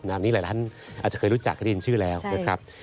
นี้หลายท่านอาจจะเคยรู้จักได้ยินชื่อแล้วนะครับ